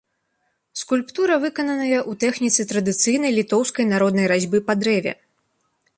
Скульптура выкананая ў тэхніцы традыцыйнай літоўскай народнай разьбы па дрэве.